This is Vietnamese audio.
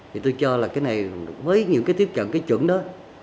thì tôi cho là cái này với những cái tiếp cận cái chuẩn đó